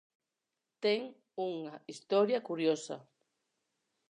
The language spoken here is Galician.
Ten unha historia curiosa.